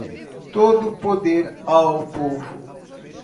Todo poder ao povo.